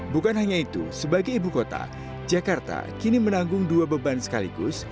bukan hanya itu sebagai ibu kota jakarta kini menanggung dua beban sekaligus